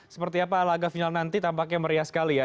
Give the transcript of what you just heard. seperti apa laga final nanti tampaknya meriah sekali ya